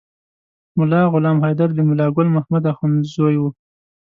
ملا غلام حیدر د ملا ګل محمد اخند زوی و.